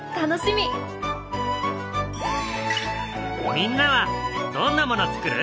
みんなはどんなものつくる？